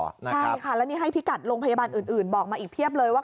ใช่ค่ะแล้วนี่ให้พิกัดโรงพยาบาลอื่นบอกมาอีกเพียบเลยว่า